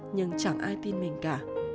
nhưng chẳng ai tin mình cả